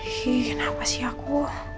ih kenapa sih aku